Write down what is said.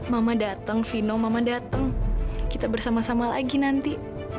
mama datang vino mama datang kita bersama sama lagi nanti